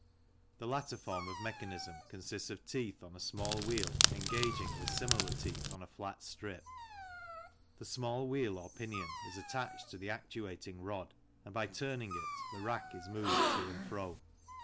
The latter form of mechan ism consists of teeth on a small wheel engaging with similar teeth on a flat strip ; the small wheel or pinion is attached to the actuating rod and by turning it the rack is moved to and fro.